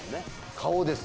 顔です